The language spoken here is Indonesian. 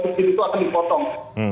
subsidi itu akan dipotong